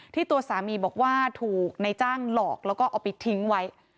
ตัวสามีบอกว่าถูกในจ้างหลอกแล้วก็เอาไปทิ้งไว้